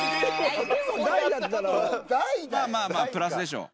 まあまあ、プラスでしょう。